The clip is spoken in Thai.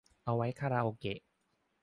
เอาไว้คาราโอเกะ